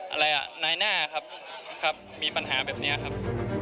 อะไรอ่ะนายหน้าครับครับมีปัญหาแบบนี้ครับ